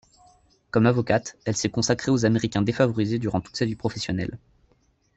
Comme avocate, elle s'est consacrée aux Américains défavorisés durant toute sa vie professionnelle.